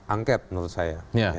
angket menurut saya